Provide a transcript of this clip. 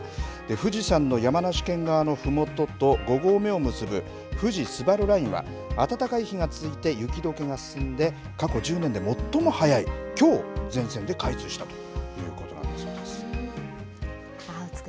富士山の山梨県側のふもとと５合目を結ぶ富士スバルラインは、暖かい日が続いて雪どけが進んで、過去１０年で最も早い、きょう、全線で開通したということなんです。